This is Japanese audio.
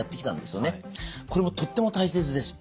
これもとっても大切です。